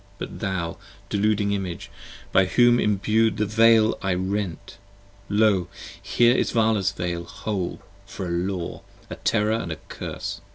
But thou, deluding Image, by whom imbu'd the Veil I rent, Lo here is Vala's Veil whole, for a Law, a Terror & a Curse!